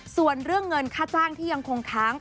ส่วนเรื่องเงินค่าจ้างที่ยังคงค้าง